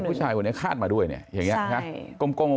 ใช่ผู้ชายคนนี้คาดมาด้วยเนี่ยอย่างเงี้ยใช่ค่ะ